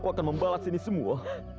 aku akan membalas ini semua